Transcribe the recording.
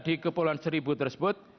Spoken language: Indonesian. di kepulauan seribu tersebut